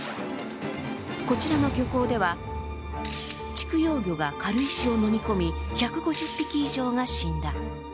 こちらの漁港では畜養魚が軽石を飲み込み１５０匹以上が死んだ。